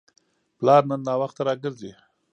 پلار نن ناوخته راګرځي.